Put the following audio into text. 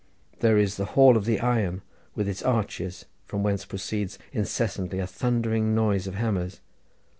There is the hall of the Iron, with its arches, from whence proceeds incessantly a thundering noise of hammers.